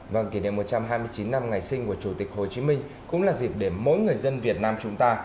vâng kỷ niệm một trăm hai mươi chín năm ngày sinh của chủ tịch hồ chí minh cũng là dịp để mỗi người dân việt nam chúng ta